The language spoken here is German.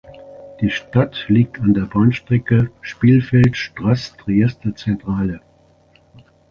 Die Stadt liegt an der Bahnstrecke Spielfeld-Straß–Trieste Centrale.